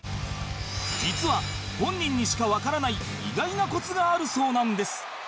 実は本人にしかわからない意外なコツがあるそうなんです